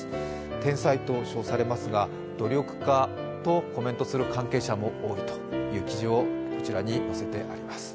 天才と称されますが、努力家とコメントする関係者も多いという記事をこちらに載せてあります。